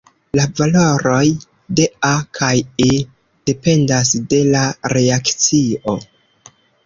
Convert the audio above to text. La valoroj de "A" kaj "E" dependas de la reakcio.